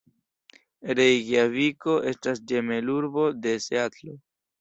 Rejkjaviko estas ĝemelurbo de Seatlo.